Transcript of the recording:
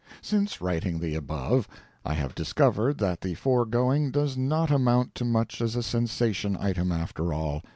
Since writing the above, I have discovered that the foregoing does not amount to much as a sensation item, after all.